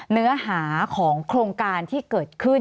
สวัสดีครับทุกคน